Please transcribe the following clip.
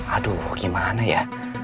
aduh gimana ya